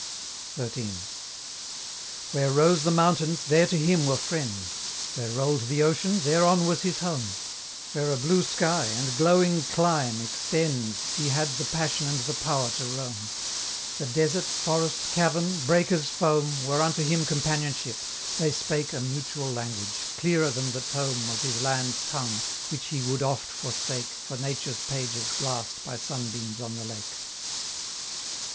XIII. Where rose the mountains, there to him were friends; Where rolled the ocean, thereon was his home; Where a blue sky, and glowing clime, extends, He had the passion and the power to roam; The desert, forest, cavern, breaker's foam, Were unto him companionship; they spake A mutual language, clearer than the tome Of his land's tongue, which he would oft forsake For nature's pages glassed by sunbeams on the lake.